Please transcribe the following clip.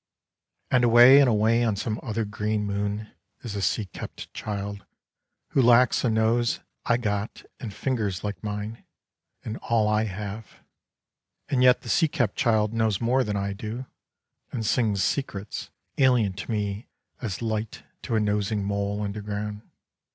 " And away and away on some other green moon is a sea kept child who lacks a nose I got and fingers like mine and all I have. And yet the sea kept child knows more than I do and sings secrets alien to me as light to a nosing mole underground.